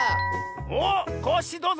おっコッシーどうぞ！